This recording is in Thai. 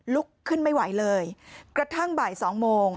ลุกขึ้นไม่ไหวเลยกระทั่งบ่ายสองโมง